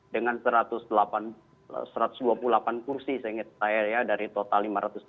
dengan satu ratus dua puluh delapan kursi saya ingat saya ya dari total lima ratus tujuh puluh